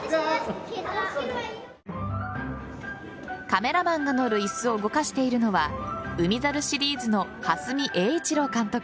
カメラマンの乗る椅子を動かしているのは「海猿」シリーズの羽住英一郎監督。